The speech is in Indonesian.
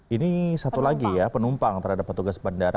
ini satu lagi ya penumpang terhadap petugas bandara